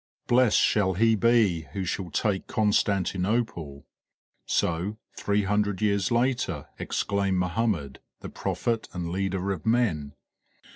"Blessed shall he be who shall take Constantinople!" So, three hundred years later, exclaimed Mohammed, the prophet and leader of men.